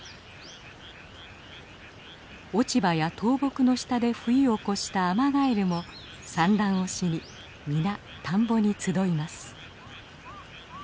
落ち葉や倒木の下で冬を越したアマガエルも産卵をしに皆田んぼに集います。